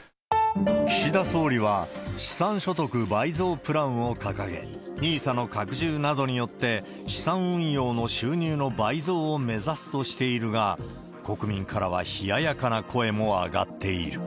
岸田総理は、資産所得倍増プランを掲げ、ＮＩＳＡの拡充などによって、資産運用の収入の倍増を目指すとしているが、国民からは冷ややかな声も上がっている。